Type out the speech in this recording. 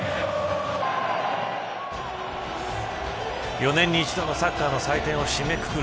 ４年に一度のサッカーの祭典を締めくくる